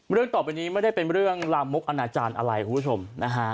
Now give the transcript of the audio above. เรื่องต่อไปนี้ไม่ได้เป็นเรื่องลามกอนาจารย์อะไรคุณผู้ชมนะฮะ